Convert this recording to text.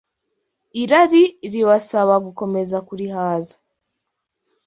irari ribasaba gukomeza kurihaza